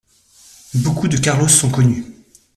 Beaucoup de Carlos sont connus.